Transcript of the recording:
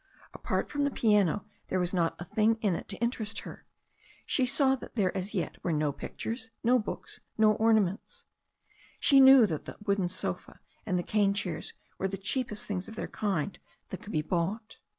Apart from the piano there was not a thing in it to interest her. She saw that as yet there were no pictures, no books, no orna ments. She knew that the wooden sofa and the cane chairs were the cheapest things of their kind that could be bought.